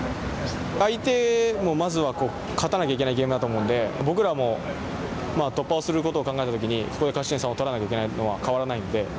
相手もまずは勝たなきゃいけないゲームだと思うので僕らも突破することを考えた時にここで勝ち点３を取らないといけないのは変わらないので。